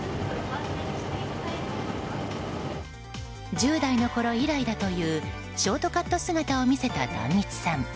１０代のころ以来だというショートカット姿を見せた壇蜜さん。